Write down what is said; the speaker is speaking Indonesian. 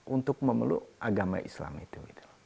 untuk memeluk agama islam itu